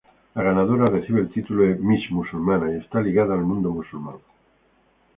La ganadora recibe el título de Miss Musulmana, y está ligada al mundo musulmán.